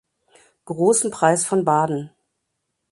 Großen Preis von Baden.